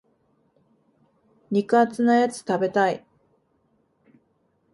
肉厚なやつ食べたい。